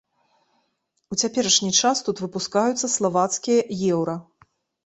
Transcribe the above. У цяперашні час тут выпускаюцца славацкія еўра.